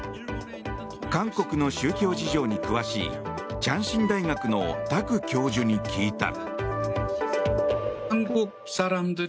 韓国の宗教事情に詳しい昌信大学のタク教授に聞いた。